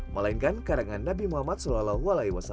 melainkan karangan nabi muhammad saw